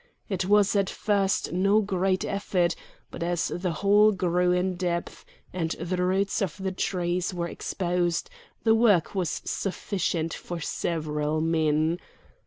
It was at first no great effort; but as the hole grew in depth, and the roots of the trees were exposed, the work was sufficient for several men.